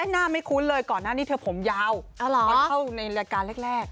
หน้าไม่คุ้นเลยก่อนหน้านี้เธอผมยาวตอนเข้าในรายการแรก